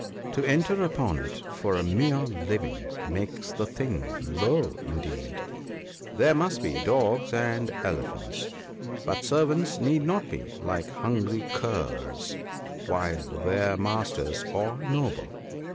To enter upon it for a mere living makes the thing low indeed. There must be dogs and elephants ; but servants need not be like hungry curs, while their masters are noble.